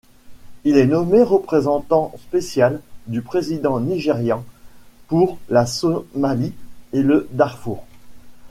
Il est nommé représentant spécial du président nigérian pour la Somalie et le Darfour.